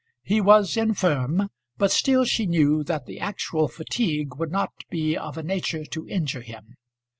He was infirm, but still she knew that the actual fatigue would not be of a nature to injure him.